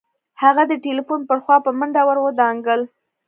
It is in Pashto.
هغه د ټليفون پر خوا په منډه ور ودانګل.